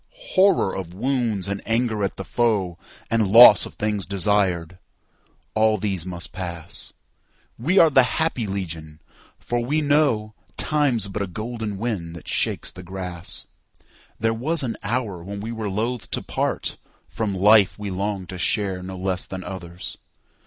Horror of wounds and anger at the foe, And loss of things desired; all these must pass. We are the happy legion, for we knowTime's but a golden wind that shakes the grass. There was an hour when we were loth to partFrom life we longed to share no less than others.